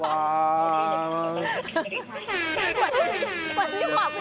ฟังวิทยาลัยยุคก่อนดีกว่า